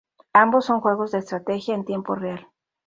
Ambos son juegos de estrategia en tiempo real.